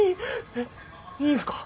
えいいんすか？